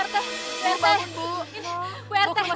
tolong ibu erte